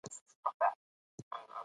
خوشحال خان خټک د پښتو پلار ګڼل کېږي